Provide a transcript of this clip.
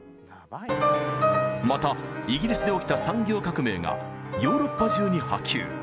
またイギリスで起きた産業革命がヨーロッパ中に波及。